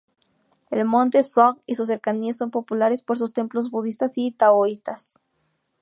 El monte Song y sus cercanías son populares por sus templos budistas y taoístas.